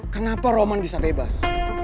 kenapa roman bisa bebas